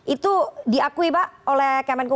itu diakui pak oleh kemenku